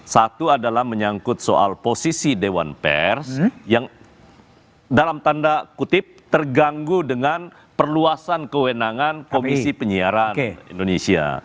satu adalah menyangkut soal posisi dewan pers yang dalam tanda kutip terganggu dengan perluasan kewenangan komisi penyiaran indonesia